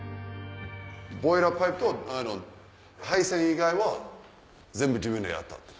ボイラーパイプと配線以外は全部自分でやったって。